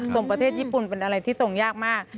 ประเทศญี่ปุ่นเป็นอะไรที่ทรงยากมาก